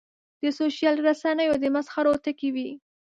د سوشل رسنیو د مسخرو ټکی وي.